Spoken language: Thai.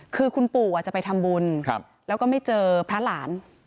คือคุณปู่จะไปทำบุญแล้วก็ไม่เจอพระหลาน